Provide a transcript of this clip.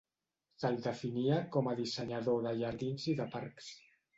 Se'l definia com a dissenyador de jardins i de parcs.